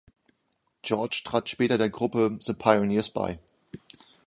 George trat später der Gruppe The Pioneers bei.